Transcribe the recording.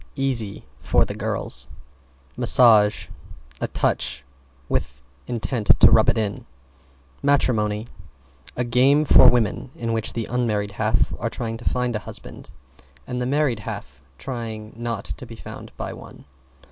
Easy for the girls. =MASSAGE= A touch, with intent to rub it in. =MATRIMONY= A game for women, in which the unmarried half are trying to find a husband and the married half trying not to be found out by one.